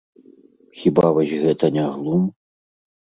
Хіба вось гэта не глум?